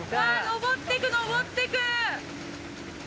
上ってく、上ってく。